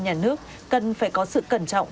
nhà nước cần phải có sự cẩn trọng